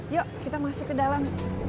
yuk kita masuk ke dalam